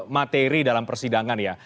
materi dalam persidangan ya